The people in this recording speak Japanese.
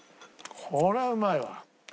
これはうまいわ。